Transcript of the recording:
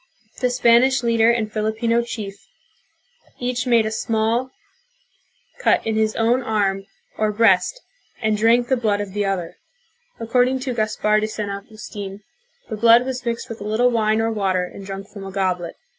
The Spanish leader and the Filipino chief each made a small 128 THE PHILIPPINES. cut in his own arm or breast and drank the blood of the other. According to Gaspar de San Augustfn, the blood was mixed with a little wine or water and drunk from a goblet.